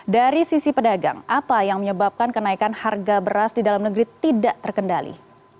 dari sisi pedagang apa yang menyebabkan kenaikan harga beras di dalam negeri tidak terkendali